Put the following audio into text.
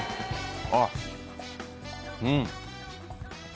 あっうん。